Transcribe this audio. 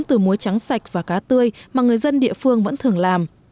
từ muối trắng sạch và cá tươi mà người dân địa phương vẫn thường làm